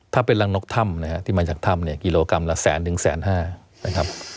ถ้าเป็นรังนกถ้ำนะฮะที่มาจากถ้ำเนี่ยกิโลกรัมละแสนถึงแสนห้านะครับ